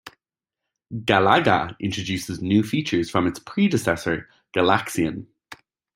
"Galaga" introduces new features from its predecessor, "Galaxian".